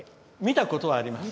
見たことはあります。